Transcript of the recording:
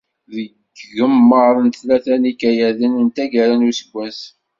Deg yigemmaḍ n tlata n yikayaden n taggara n useggas.